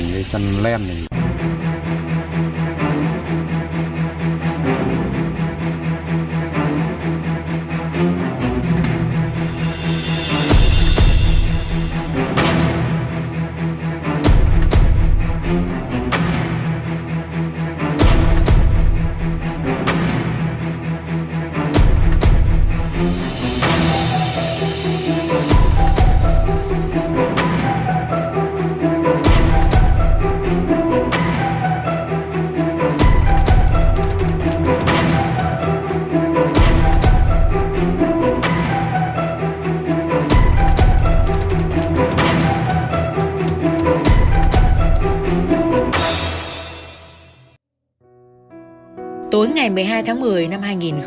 ngày một mươi hai tháng một mươi năm hai nghìn hai mươi ba